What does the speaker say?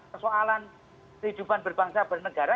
persoalan kehidupan berbangsa bernegara